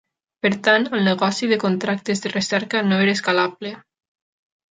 Per tant, el negoci de contractes de recerca no era escalable.